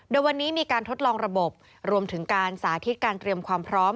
โดยวันนี้มีการทดลองระบบรวมถึงการสาธิตการเตรียมความพร้อม